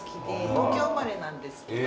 東京生まれなんですけど。